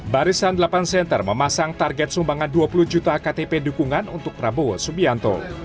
barisan delapan center memasang target sumbangan dua puluh juta ktp dukungan untuk prabowo subianto